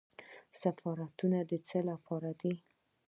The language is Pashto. سفارتونه د څه لپاره دي؟